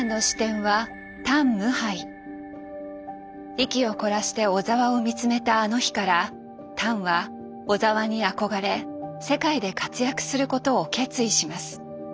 息を凝らして小澤を見つめたあの日からタンは小澤に憧れ世界で活躍することを決意します。